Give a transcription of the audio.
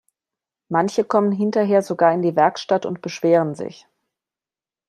Manche kommen hinterher sogar in die Werkstatt und beschweren sich.